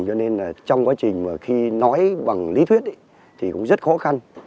cho nên trong quá trình khi nói bằng lý thuyết thì cũng rất khó khăn